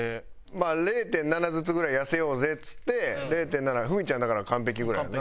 まあ０．７ずつぐらい痩せようぜっつって０．７ふみちゃんだから完璧ぐらいやんな。